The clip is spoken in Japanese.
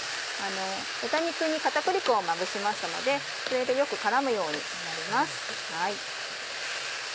豚肉に片栗粉をまぶしましたのでそれでよく絡むようになります。